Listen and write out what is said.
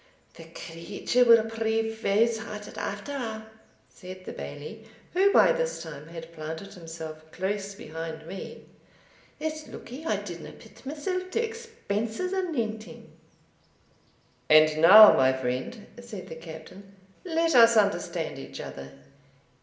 "The creature will prove fause hearted, after a'," said the Bailie, who by this time had planted himself close behind me; "it's lucky I didna pit mysell to expenses anent him." "And now, my friend," said the Captain, "let us understand each other.